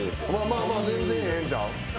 まあ全然ええんちゃう？